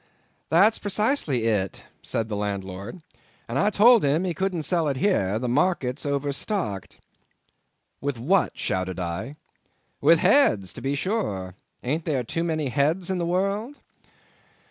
"That's precisely it," said the landlord, "and I told him he couldn't sell it here, the market's overstocked." "With what?" shouted I. "With heads to be sure; ain't there too many heads in the world?"